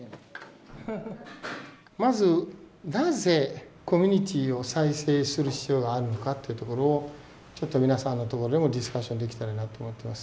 まずなぜコミュニティーを再生する必要があるのかっていうところを皆さんのところでもディスカッションできたらなと思ってます。